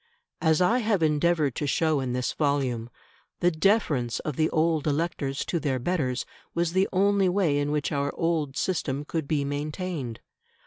As I have endeavoured to show in this volume, the deference of the old electors to their betters was the only way in which our old system could be maintained.